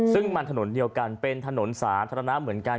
ซึ่งมันถนนเดียวกันเป็นถนนสาธารณะเหมือนกัน